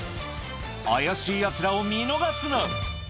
怪しいやつらを見逃すな。